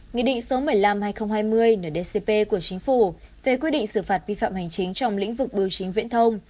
nghị định số một mươi năm hai nghìn hai mươi ndcp của chính phủ về quy định xử phạt vi phạm hành chính trong lĩnh vực biểu chính viễn thông